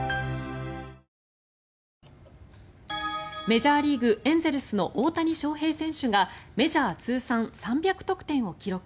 メジャーリーグエンゼルスの大谷翔平選手がメジャー通算３００得点を記録。